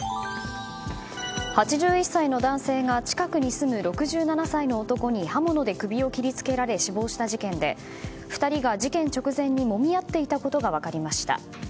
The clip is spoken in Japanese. ８１歳の男性が近くに住む６７歳の男に刃物で首を切り付けられ死亡した事件で２人が事件直前にもみ合っていたことが分かりました。